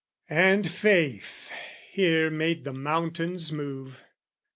And faith here made the mountains move.